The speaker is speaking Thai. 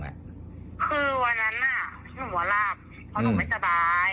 คือวันนั้นน่ะหนูว่าลาบเพราะหนูไม่สบาย